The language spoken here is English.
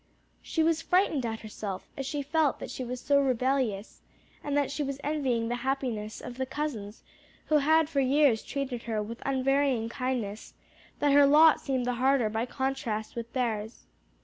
She was frightened at herself as she felt that she was so rebellious, and that she was envying the happiness of the cousins who had for years treated her with unvarying kindness; that her lot seemed the harder by contrast with theirs.